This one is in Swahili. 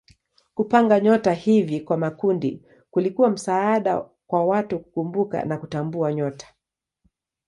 Kupanga nyota hivi kwa makundi kulikuwa msaada kwa watu kukumbuka na kutambua nyota.